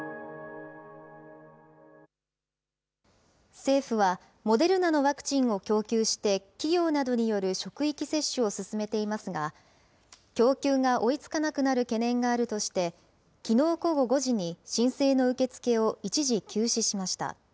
政府は、モデルナのワクチンを供給して、企業などによる職域接種を進めていますが、供給が追いつかなくなる懸念があるとして、きのう午後５時に申請の受け付けを一時休止しました。